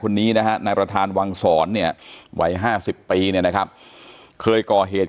คุณนี้นะครับนายประธานวังศรเนี่ยไว้๕๐ปีนะครับเคยก่อเหตุ